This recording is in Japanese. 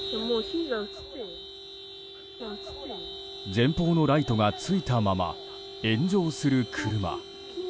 前方のライトがついたまま炎上する車。